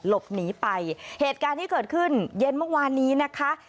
หลบหนีไปเหตุการณ์ที่เกิดขึ้นเย็นเมื่อวานนี้นะคะ